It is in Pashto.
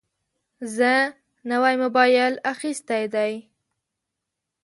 زه نوی موبایل اخیستی دی.